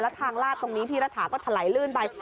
ทางลาดตรงนี้พี่รัฐาก็ถลายลื่นไป